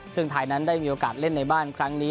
ซึ่งไทยนั้นได้มีโอกาสเล่นในบ้านครั้งนี้